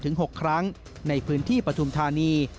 ถึง๖ครั้งในพื้นที่ปฐุมธานี